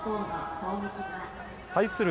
対する